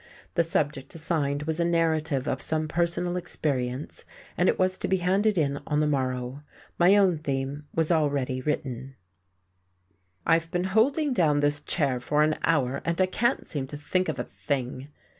The subject assigned was a narrative of some personal experience, and it was to be handed in on the morrow. My own theme was already, written. "I've been holding down this chair for an hour, and I can't seem to think of a thing."